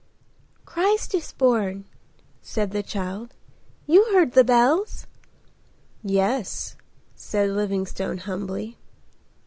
"Christ is born," said the child. "You heard the bells?" "Yes," said Livingstone humbly.